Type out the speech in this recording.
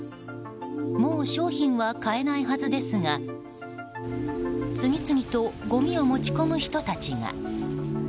もう商品は買えないはずですが次々とごみを持ち込む人たちが。